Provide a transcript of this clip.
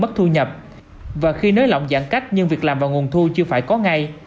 thu nhập và khi nới lỏng giãn cách nhưng việc làm vào nguồn thu chưa phải có ngay